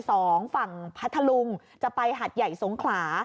ลิศองศ์ฝั่งพัทธรุงจะไปหาดใหญ่สงขลา